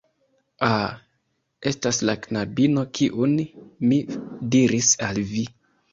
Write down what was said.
Ah, estas la knabino kiun mi diris al vi